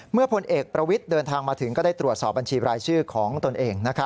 พลเอกประวิทย์เดินทางมาถึงก็ได้ตรวจสอบบัญชีรายชื่อของตนเอง